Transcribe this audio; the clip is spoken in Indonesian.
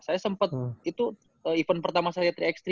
saya sempet itu event pertama saya tiga ax tiga